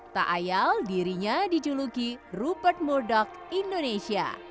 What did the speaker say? tak ayal dirinya dijuluki rupert murdog indonesia